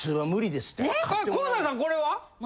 香西さんこれは？